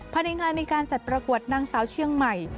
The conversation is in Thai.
ภายในงานมีการจัดประกวดนางสาวเชียงใหม่